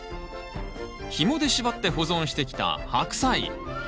ひもで縛って保存してきたハクサイ。